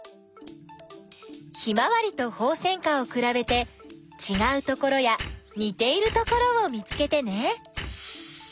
ヒマワリとホウセンカをくらべてちがうところやにているところを見つけてね。